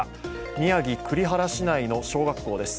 宮城・栗原市内の小学校です。